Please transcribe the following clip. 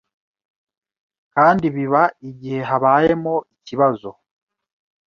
kandi biba igihe habayemo ikibazo